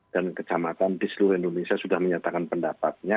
dan kecamatan di seluruh indonesia sudah menyatakan pendapatnya